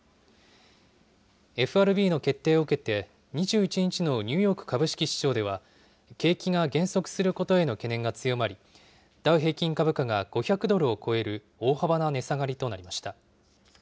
ＦＲＢの決定を受けて、２１日のニューヨーク株式市場では、景気が減速することへの懸念が強まり、ダウ平均株価が５００ドルを超える大幅な値下がりとなりました。